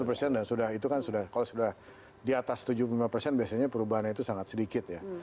lima puluh persen dan sudah itu kan sudah kalau sudah di atas tujuh puluh lima persen biasanya perubahannya itu sangat sedikit ya